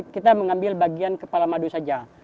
kita mengambil bagian kepala madu saja